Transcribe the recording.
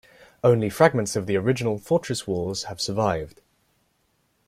Only fragments of the original fortress walls have survived.